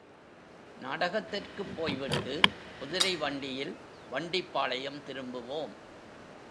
நாடகத்திற்குப் போய் விட்டு, குதிரை வண்டியில் வண்டிப்பாளையம் திரும்புவோம்.